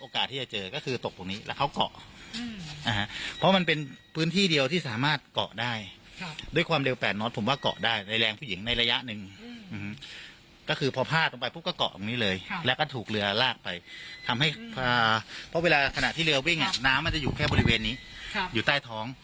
ออกเรือลากไปเพราะเวลาที่เรือวิ่งน้ำจะอยู่แค่บริเวณนี้อยู่ใต้ท้อง